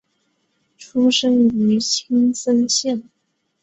出身于青森县。